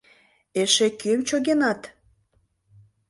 Эше кӧм чогенат?